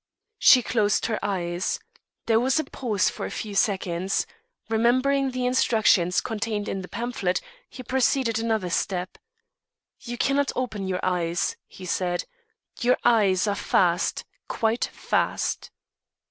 She closed her eyes. There was a pause for a few seconds. Remembering the instructions contained in the pamphlet, he proceeded another step: "You cannot open your eyes," he said. "Your eyes are fast, quite fast."